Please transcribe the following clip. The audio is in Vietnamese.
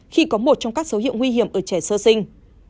khi có một trong các dấu hiệu nguy hiểm ở trẻ sơ sinh